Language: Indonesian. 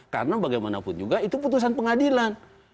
karena bagaimanapun juga itu putusan pengadilan